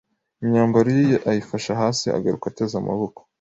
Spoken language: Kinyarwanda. imyambaro ye ayifasha hasi, agaruka ateze amaboko.